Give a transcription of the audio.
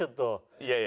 いやいや。